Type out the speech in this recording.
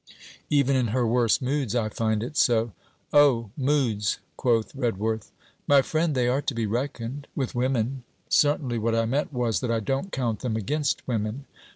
'Even in her worst moods, I find it so.' 'Oh! moods!' quoth Redworth. 'My friend, they are to be reckoned, with women.' 'Certainly; what I meant was, that I don't count them against women.'